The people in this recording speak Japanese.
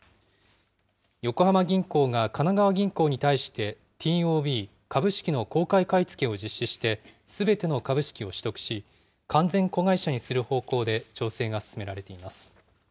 横浜銀行が神奈川銀行に対してＴＯＢ・株式の公開買い付けを実施して、すべての株式を取得し完全子会社にする方向で調整が進められています。